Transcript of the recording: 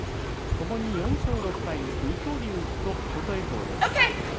ともに４勝６敗水戸龍と琴恵光です。